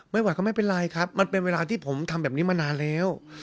ไม่ไหวก็ไม่เป็นไรครับมันเป็นเวลาที่ผมทำแบบนี้มานานแล้ว